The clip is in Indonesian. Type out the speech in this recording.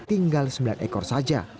tinggal sembilan ekor saja